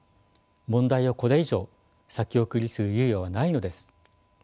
問題をこれ以上先送りする猶予はないのです。